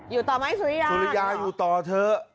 อยู่ต่อไหมสุริยาสุริยาอยู่ต่อเถอะ